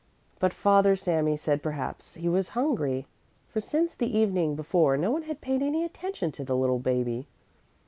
But father Sami said perhaps he was hungry, for since the evening before no one had paid any attention to the little baby.